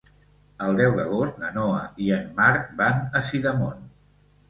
El deu d'agost na Noa i en Marc van a Sidamon.